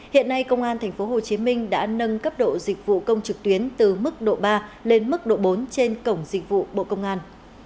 hiện nay công an tp hcm đã nâng cấp độ dịch vụ công trực tuyến từ mức độ ba lên mức độ bốn trên cổng dịch vụ bộ công an